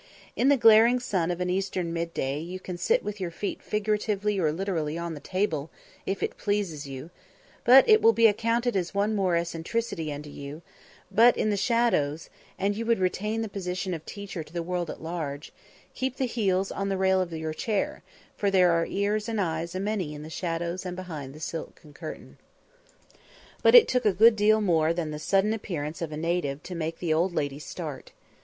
In the glaring sun of an Eastern mid day you can sit with your feet figuratively or literally on the table, if it pleases you; it will but be accounted as one more eccentricity unto you; but in the shadows, an' you would retain the position of teacher to the world at large, keep the heels on the rail of your chair; for there are ears and eyes a many in the shadows and behind the silken curtain. But it took a good deal more than the sudden appearance of a native to make the old lady start.